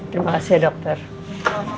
terimakasih ya dokter